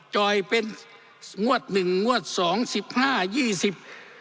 จอยเป็นงวดหนึ่งงวดสองสิบห้ายี่สิบ